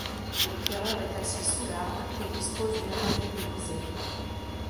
Le tireur est assis sous l'arme et dispose d'une lunette de visée.